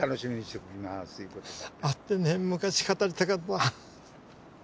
会ってね昔語りたかった。